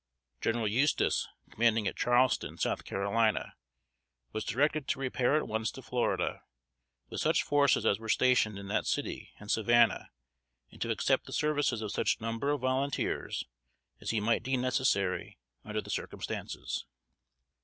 General Eustis, commanding at Charleston, South Carolina, was directed to repair at once to Florida with such forces as were stationed in that city and Savannah, and to accept the services of such number of volunteers as he might deem necessary under the circumstances.